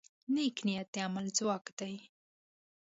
نیک نیت د عمل ځواک دی.